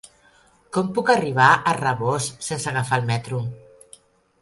Com puc arribar a Rabós sense agafar el metro?